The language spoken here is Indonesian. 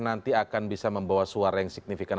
nanti akan bisa membawa suara yang signifikan